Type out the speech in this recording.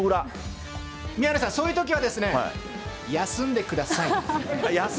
宮根さん、そういうときは、休んでください。